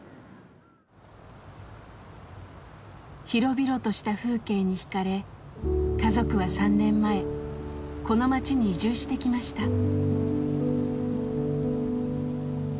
広々とした風景に惹かれ家族は３年前この町に移住してきました。